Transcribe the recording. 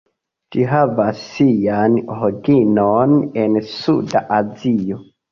Ĝi havas sian originon en Suda Azio.